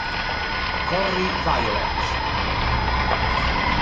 Cory Violette